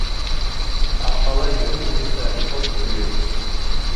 Арҡала йөҙөү буйынса рекорд ҡуйыу